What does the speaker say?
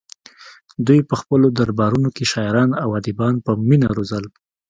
دوی په خپلو دربارونو کې شاعران او ادیبان په مینه روزل